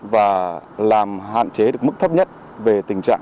và làm hạn chế được mức thấp nhất về tình hình giao thông